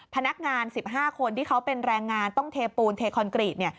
พนักงาน๑๕คนที่เขาเป็นแรงงานต้องเทปูนเทคอนกรีตเนี่ย